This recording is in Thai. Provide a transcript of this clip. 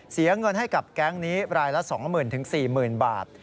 เสียเงินให้กับแก๊งนี้รายละ๒๐๐๐๔๐๐๐บาท